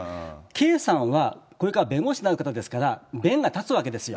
圭さんはこれから弁護士になる方ですから、弁が立つわけですよ。